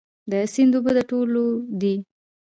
د سیند اوبه د ټولو دي؟